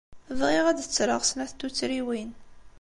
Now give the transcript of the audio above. Bɣiɣ ad d-ttreɣ snat n tuttriwin.